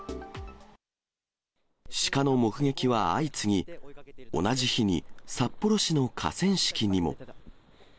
鹿の目撃は相次ぎ、同じ日に札幌市の河川敷にも。